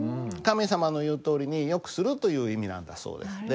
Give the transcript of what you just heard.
神様の言うとおりに善くするという意味なんだそうです。